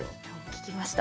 聞きました。